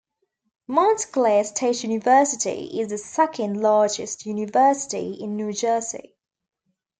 Montclair State University is the second largest University in New Jersey.